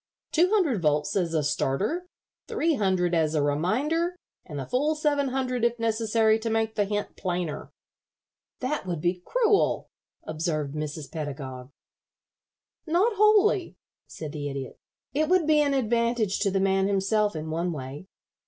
Two hundred volts as a starter, three hundred as a reminder, and the full seven hundred if necessary to make the hint plainer." "That would be cruel," observed Mrs. Pedagog. "Not wholly," said the Idiot. "It would be an advantage to the man himself in one way.